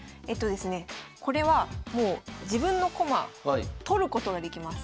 これはもう自分の駒取ることができます。